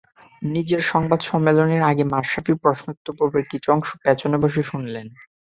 নিজের সংবাদ সম্মেলনের আগে মাশরাফির প্রশ্নোত্তরপর্বের কিছু অংশ পেছনে বসে শুনলেন।